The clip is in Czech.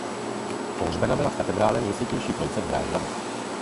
Pohřbena byla v katedrále Nejsvětější Trojice v Drážďanech.